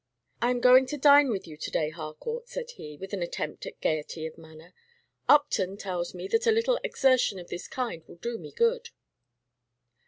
"I am going to dine with you to day, Harcourt," said he, with an attempt at gayety of manner. "Upton tells me that a little exertion of this kind will do me good."